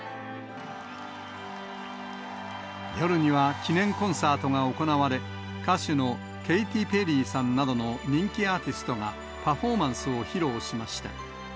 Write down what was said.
夜には記念コンサートが行われ、歌手のケイティ・ペリーさんなどの人気アーティストがパフォーマンスを披露しました。